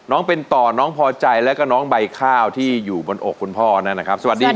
เป็นต่อน้องพอใจแล้วก็น้องใบข้าวที่อยู่บนอกคุณพ่อนั่นนะครับสวัสดีครับ